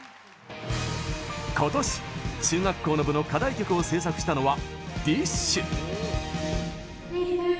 今年、中学校の部の課題曲を制作したのは ＤＩＳＨ／／。